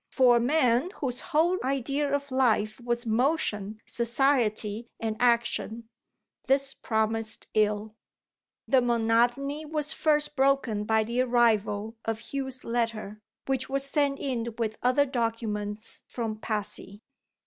For a man whose whole idea of life was motion, society, and action, this promised ill. The monotony was first broken by the arrival of Hugh's letter, which was sent in with other documents from Passy.